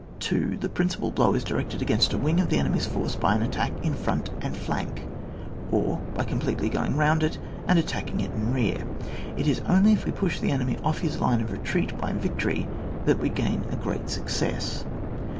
2. The principal blow is directed against a wing of the enemy's force by an attack in £ront and flank, or by com pletely g^ing round it and attacking it in rear. It is only if we push the enemy off his line of retreat by the victory that we gain a great success.